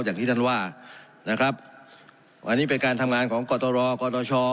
อย่างที่ท่านว่านะครับอันนี้เป็นการทำงานของกตรกตช